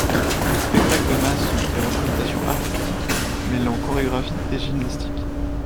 Les spectacles de masse sont des représentations artistiques mêlant chorégraphie et gymnastique.